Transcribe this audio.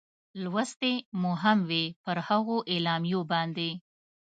لوستې مو هم وې، پر هغو اعلامیو باندې.